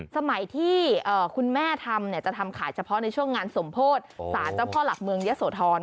สมัยที่คุณแม่ทำจะทำขายเฉพาะในช่วงงานสมโพธิสารเจ้าพ่อหลักเมืองเยอะโสธร